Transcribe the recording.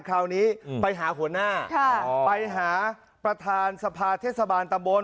คราวนี้ไปหาหัวหน้าไปหาประธานสภาเทศบาลตะบน